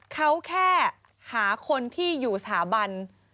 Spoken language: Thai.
เขาแค่หาคนที่อยู่สถาบัน